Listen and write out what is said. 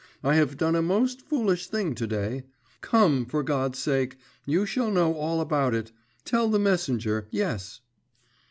I have done a most foolish thing to day.… Come, for God's sake; you shall know all about it.… Tell the messenger, yes.